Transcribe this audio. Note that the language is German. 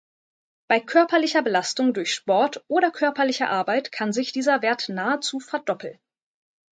Bei körperlicher Belastung durch Sport oder körperlicher Arbeit kann sich dieser Wert nahezu verdoppeln.